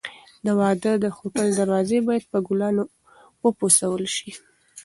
د واده د هوټل دروازې باید په ګلانو وپسولل شي.